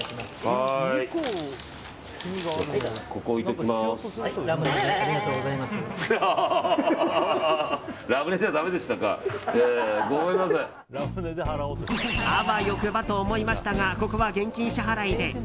あわよくばと思いましたがここは現金支払いで。